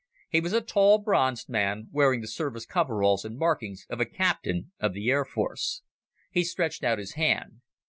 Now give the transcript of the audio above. He was a tall, bronzed man, wearing the service coveralls and markings of a captain of the Air Force. He stretched out his hand.